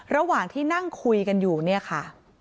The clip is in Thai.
ระหว่างที่นั่งคุยกันอยู่เนี่ยค่ะ